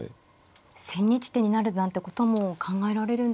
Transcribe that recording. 千日手になるなんてことも考えられるんでしょうか。